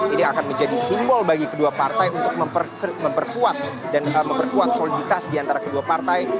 ini akan menjadi simbol bagi kedua partai untuk memperkuat dan memperkuat soliditas diantara kedua partai